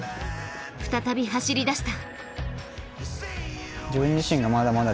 再び走り出した。